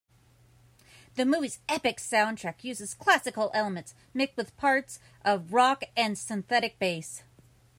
The movie's epic soundtrack uses classical elements mixed with parts of rock and synthetic bass.